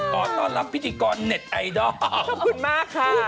ขอต้อนรับพิธีกรเน็ตไอดอลขอบคุณมากค่ะ